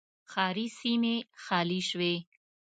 ښاري سیمې خالي شوې